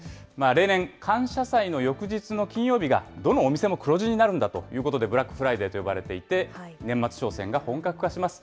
例年、感謝祭の翌日の金曜日がどのお店も黒字になるんだということで、ブラックフライデーと呼ばれていて、年末商戦が本格化します。